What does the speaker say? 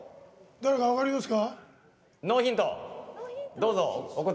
誰か分かりますか？